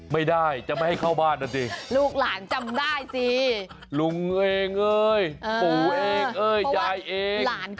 ไม่ได้จะไม่ให้เข้าบ้านนะสิลูกหลานจำได้สิลุงเองเอ้ยปู่เองเอ้ยยายเอง